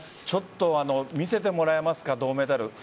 ちょっと見せてもらえますか銅メダル。